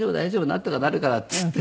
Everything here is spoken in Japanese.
なんとかなるから」って言って。